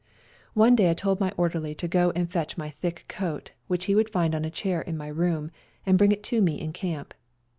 One day I told my orderly to go and fetch my thick coat, which he would find on a chair in my room, and bring it to me in camp.